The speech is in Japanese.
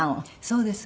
そうです。